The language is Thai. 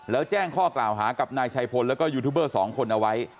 แล้วแจ้งข้อกล่าวหากับนายชัยพลแล้วก็ยูทูบเบอร์๒คนเอาไว้